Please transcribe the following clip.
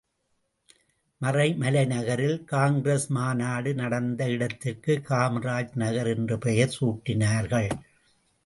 மறைமலை நகரில் காங்கிரஸ் மாநாடு நடந்த இடத்திற்கு காமராஜ் நகர் என்று பெயர் சூட்டினார்கள்.